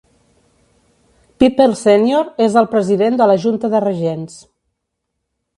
Peeples Senior és el president de la junta de regents.